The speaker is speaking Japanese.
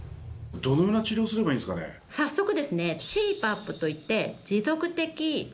早速ですね。